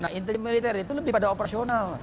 nah intelijen militer itu lebih pada operasional